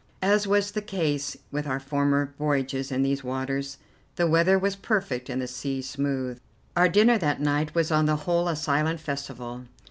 As was the case with our former voyages in these waters, the weather was perfect and the sea smooth. Our dinner that night was on the whole a silent festival.